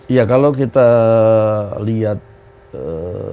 ya kalau kita lihat eee